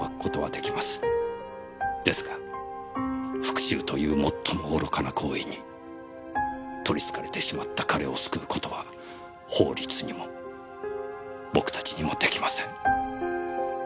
ですが復讐という最も愚かな行為にとりつかれてしまった彼を救う事は法律にも僕たちにもできません。